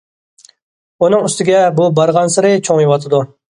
ئۇنىڭ ئۈستىگە، بۇ بارغانسېرى چوڭىيىۋاتىدۇ.